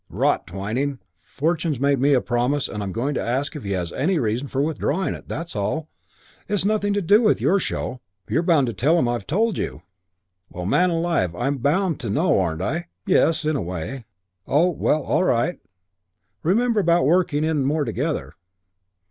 "Rot, Twyning. Fortune's made me a promise, and I'm going to ask if he has any reason for withdrawing it, that's all. It's nothing to do with your show." "You're bound to tell him I've told you." "Well, man alive, I'm bound to know, aren't I?" "Yes in a way. Oh, well, all right. Remember about working in more together."